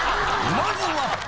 まずは。